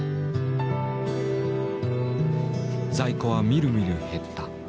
在庫はみるみる減った。